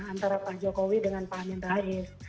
antara pak jokowi dengan pak amin rais